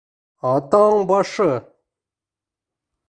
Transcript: Атаң башы!..